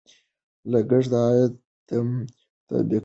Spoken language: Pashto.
لګښت د عاید مطابق وکړئ.